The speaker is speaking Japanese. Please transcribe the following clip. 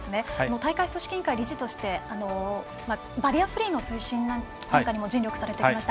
大会組織委員会理事としてバリアフリーの推進なんかにも尽力されていました。